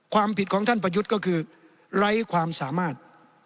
ความผิดของท่านประยุทธ์ก็คือไร้ความสามารถ